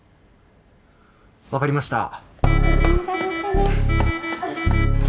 分かりました。